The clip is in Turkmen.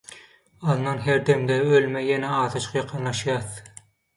alnan her demde ölüme ýene azajyk ýakynlaşýas.